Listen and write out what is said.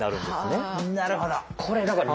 なるほど。